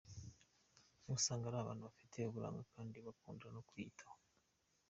Usanga ari abantu bafite uburanga kandi bakunda no kwiyitaho.